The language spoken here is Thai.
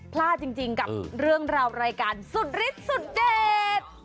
พลาดจริงกับเรื่องราวรายการสุดฤทธิสุดเด็ด